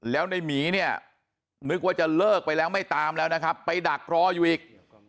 แล้วในหมีเนี่ยนึกว่าจะเลิกไปแล้วไม่ตามแล้วนะครับไปดักรออยู่อีก